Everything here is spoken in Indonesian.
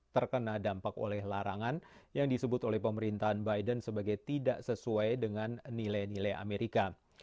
terkena dampak oleh larangan yang disebut oleh pemerintahan biden sebagai tidak sesuai dengan nilai nilai amerika